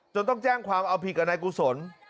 ต้องแจ้งความเอาผิดกับนายกุศล